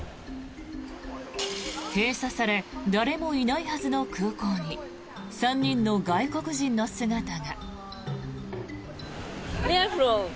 閉鎖され誰もいないはずの空港に３人の外国人の姿が。